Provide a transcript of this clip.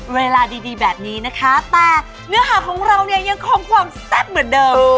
เวลาดีแบบนี้นะคะแต่เนื้อหาของเราเนี่ยยังคงความแซ่บเหมือนเดิม